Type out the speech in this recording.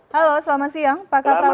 halo selamat siang pak kak prawi